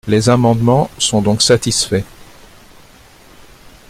Les amendements sont donc satisfaits.